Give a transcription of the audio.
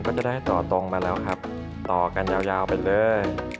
ก็จะได้ต่อตรงมาแล้วครับต่อกันยาวไปเลย